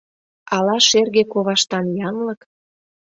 Ала шерге коваштан янлык.